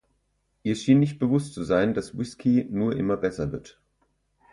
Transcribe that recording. Ihr schien nicht bewusst zu sein, dass Whisky nur immer besser wird.